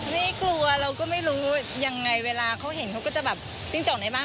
ไม่กลัวเราก็ไม่รู้ยังไงเวลาเขาเห็นเขาก็จะแบบจิ้งจอกได้บ้าง